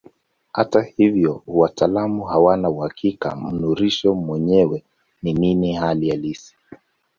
Hata hivyo wataalamu hawana uhakika mnururisho mwenyewe ni nini hali halisi.